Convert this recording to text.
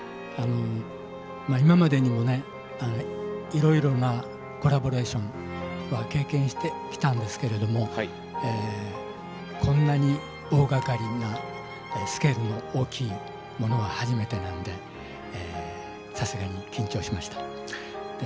今までにもいろいろなコラボレーション経験してきたんですけどこんなに大がかりなスケールの大きいものは初めてなのでさすがに緊張しました。